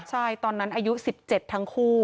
ใช่ตอนนั้นอายุ๑๗ทั้งคู่